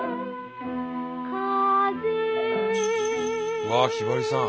うわひばりさん。